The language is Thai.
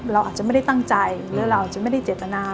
เราอาจจะไม่ได้ตั้งใจหรือเราอาจจะไม่ได้เจตนา